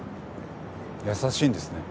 優しいんですね。